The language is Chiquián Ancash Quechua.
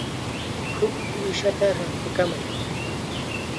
Huk uushata rantikamay.